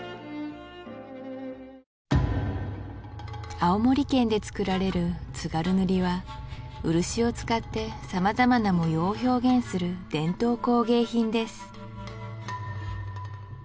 青森県でつくられる津軽塗は漆を使ってさまざまな模様を表現する伝統工芸品です